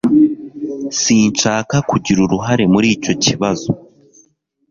Sinshaka kugira uruhare muri icyo kibazo